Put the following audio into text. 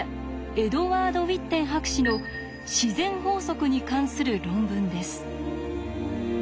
エドワード・ウィッテン博士の自然法則に関する論文です。